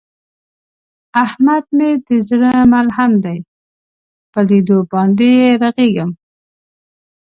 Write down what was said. احمد مې د زړه ملحم دی، په لیدو باندې یې رغېږم.